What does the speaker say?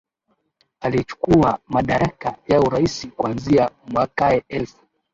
alichukua madaraka ya urais kuanzia mwakae elfu